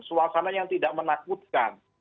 suasana yang tidak menakutkan